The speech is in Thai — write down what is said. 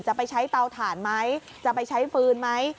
จะไปใช้เตาถ่านไหมจะไปใช้ฟืนไหม